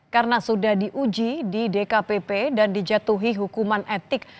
karena sudah diuji di dkpp dan dijatuhi hukuman etik